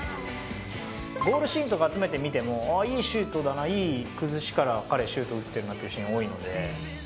ゴールシーンとか集めてみてもいいシュートだないい崩しから彼シュート打ってるなっていうシーンが多いので。